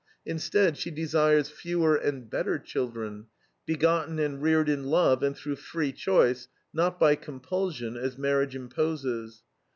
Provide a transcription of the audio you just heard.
Instead she desires fewer and better children, begotten and reared in love and through free choice; not by compulsion, as marriage imposes.